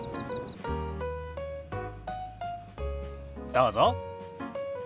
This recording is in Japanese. どうぞ。